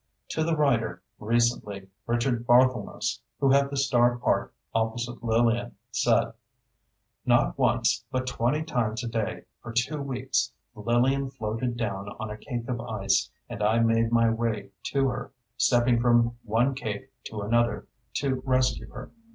To the writer, recently, Richard Barthelmess, who had the star part opposite Lillian, said: "Not once, but twenty times a day, for two weeks, Lillian floated down on a cake of ice, and I made my way to her, stepping from one cake to another, to rescue her.